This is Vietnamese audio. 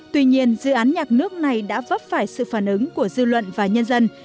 tuy nhiên dự án nhạc nước này đã vấp phải sự phản ứng của dư luận và nhân dân